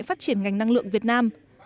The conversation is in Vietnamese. phát triển ngành năng lượng việt nam